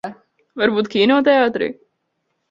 Varbūt kinoteātrī?